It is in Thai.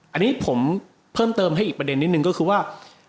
อันนี้ผมเพิ่มเติมให้อีกประเด็นนิดนึงก็คือว่า